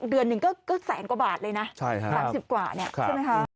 เดือนหนึ่งก็แสนกว่าบาทเลยนะ๓๐กว่าเนี่ยใช่ไหมคะ